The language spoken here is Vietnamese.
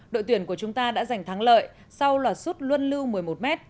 đội tuyển của chúng ta đã giành thắng lợi sau loạt suốt luân lưu một mươi một m